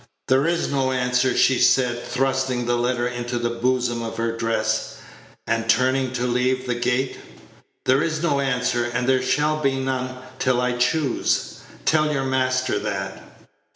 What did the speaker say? "There is no answer," she said, thrusting the letter into the bosom of her dress, and turning to leave the gate; "there is no answer, and there shall be none till I choose. Tell your master that."